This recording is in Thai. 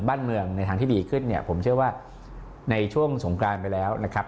บ้านเมืองในทางที่ดีขึ้นเนี่ยผมเชื่อว่าในช่วงสงกรานไปแล้วนะครับ